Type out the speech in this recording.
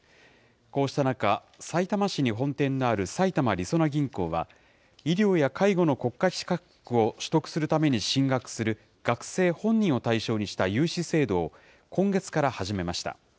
こうした中、さいたま市に本店のある埼玉りそな銀行は、医療や介護の国家資格を取得するために進学する学生本人を対象にした融資制度を今月から始めました。